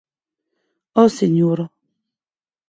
Òc, senhora.